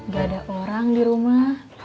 gak ada orang dirumah